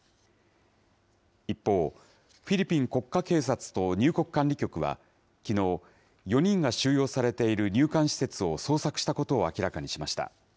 一方、フィリピン国家警察と入国管理局は、きのう、４人が収容されている入管施設を捜索したことを明らかにしました。